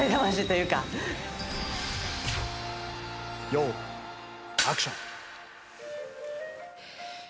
用意アクション。